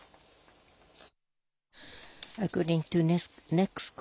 ネクスコ